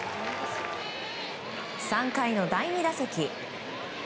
３回の第２打席。